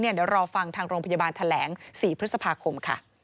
เดี๋ยวรอฟังทางโรงพยาบาลแถลง๔พฤษภาคมค่ะ